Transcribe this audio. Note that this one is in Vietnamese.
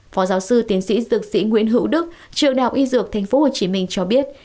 phó giáo sư tiến sĩ dược sĩ nguyễn hữu đức trường đạo y dược tp hcm cho biết